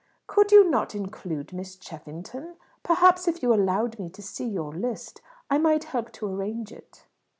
"Could you not include Miss Cheffington? Perhaps if you allowed me to see your list I might help to arrange it."